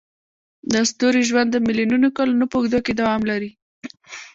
د ستوري ژوند د میلیونونو کلونو په اوږدو کې دوام لري.